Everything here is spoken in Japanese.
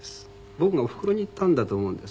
僕がおふくろに言ったんだと思うんですね。